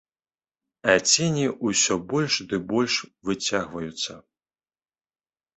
А цені ўсё больш ды больш выцягваюцца.